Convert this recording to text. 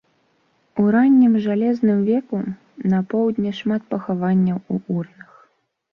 У раннім жалезным веку на поўдні шмат пахаванняў у урнах.